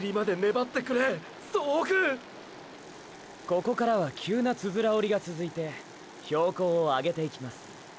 ここからは急なつづらおりがつづいて標高を上げていきます。